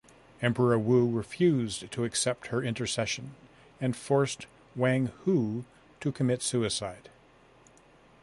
Emperor Wu refused to accept her intercession, and forced Wang Hui to commit suicide.